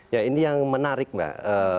ya ini yang menarik mbak